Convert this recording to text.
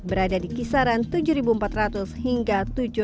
berada di kisaran tujuh empat ratus hingga tujuh ratus